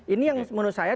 ini yang menurut saya